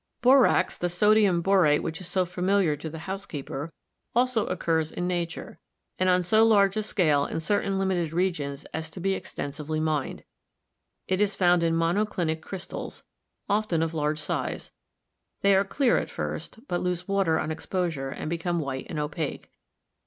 Borax, the sodium borate which is so familiar to the housekeeper, also occurs in nature, and on so large a scale in certain limited regions as to be extensively mined. It is found in monoclinic crystals, often of large size ; they are clear at first, but lose water on exposure and become white and opaque.